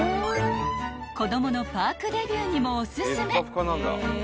［子供のパークデビューにもおすすめ］